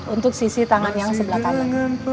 untuk sisi tangan yang sebelah kanan